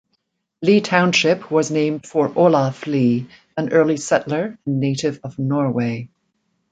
Lee Township was named for Olaf Lee, an early settler and native of Norway.